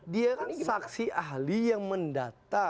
dia kan saksi ahli yang mendata